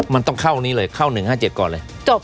มันต้องเข้านี้เลยเข้า๑๕๗ก่อนเลยจบ